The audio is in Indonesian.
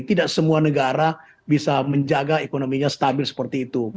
tidak semua negara bisa menjaga ekonominya stabil seperti itu